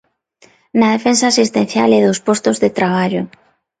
Na defensa asistencial e dos postos de traballo.